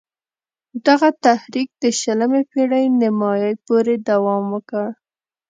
دغه تحریک تر شلمې پېړۍ نیمايی پوري دوام وکړ.